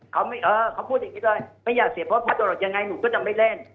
เขาไม่เออเขาไม่อยากเสียพ่อพตอย่างไรหนูก็จะไม่เล่น